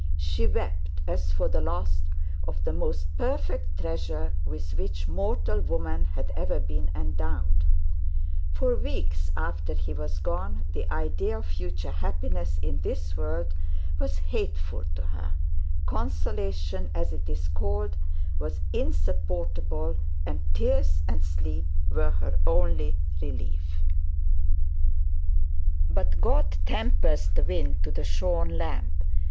She wept as for the loss of the most perfect treasure with which mortal woman had ever been endowed; for weeks after he was gone the idea of future happiness in this world was hateful to her; consolation, as it is called, was insupportable, and tears and sleep were her only relief. But God tempers the wind to the shorn lamb.